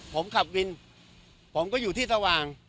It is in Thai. ผมขับวินผมก็อยู่ที่สว่าง